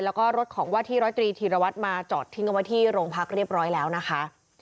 แล้วก็รถของว่าที่ร้อยตรีธีรวัตรมาจอดทิ้งเอาไว้ที่โรงพักเรียบร้อยแล้วนะคะ